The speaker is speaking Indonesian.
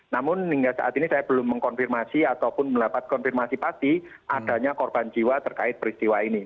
namun hingga saat ini saya belum mengkonfirmasi ataupun mendapat konfirmasi pasti adanya korban jiwa terkait peristiwa ini